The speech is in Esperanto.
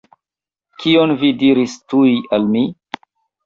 Kion vi diris tuj al mi?